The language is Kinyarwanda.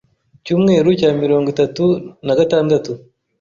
Icyumweru cya mirongo itatu na gatandatu